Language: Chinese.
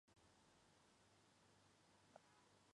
这一串的描写使王熙凤的形象立即活跳出来。